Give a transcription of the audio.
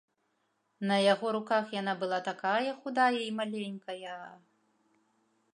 На яго руках яна была такая худая і маленькая!